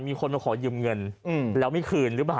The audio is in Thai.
มีคนมาขอยืมเงินแล้วไม่คืนหรือเปล่า